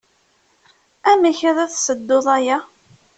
Amek ad tessedduḍ aya?